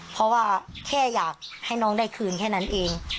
เพราะว่าแค่อยากให้น้องได้คืนแค่นั้นเอง